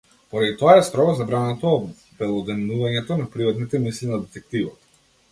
Поради тоа е строго забрането обелоденувањето на приватните мисли на детективот.